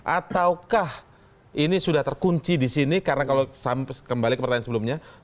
ataukah ini sudah terkunci di sini karena kalau kembali ke pertanyaan sebelumnya